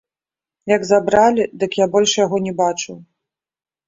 Як забралі, дык я больш яго не бачыў.